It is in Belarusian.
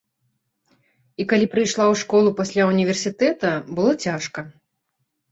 І калі прыйшла ў школу пасля ўніверсітэта, было цяжка.